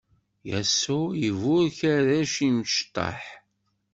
Yasuɛ iburek arrac imecṭaḥ.